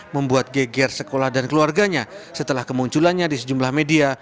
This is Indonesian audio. membuat geger sekolah dan keluarganya setelah kemunculannya di sejumlah media